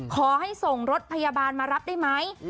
ขอให้ส่งรถพยาบาลมารับได้ไหม